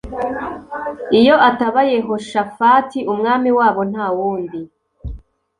iyo ataba yehoshafati umwami wabo ntawundi.